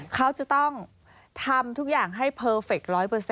เขาจะต้องทำทุกอย่างให้เพอร์เฟค๑๐๐